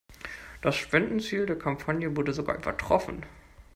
Das Spendenziel der Kampagne wurde sogar übertroffen.